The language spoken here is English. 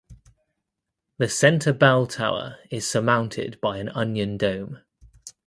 The center belltower is surmounted by an onion dome.